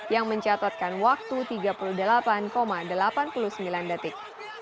yang mencatatkan waktu tiga puluh delapan delapan puluh sembilan detik